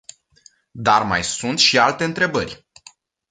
Dar mai sunt și alte întrebări.